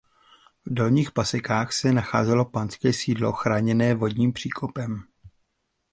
V Dolních Pasekách se nacházelo panské sídlo chráněné vodním příkopem.